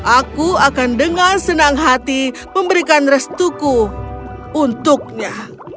aku akan dengan senang hati memberikan restuku untuknya